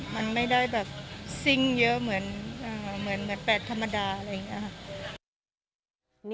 มันไม่ได้แบบซิ่งเยอะเหมือนแปดธรรมดาอะไรอย่างนี้ค่ะ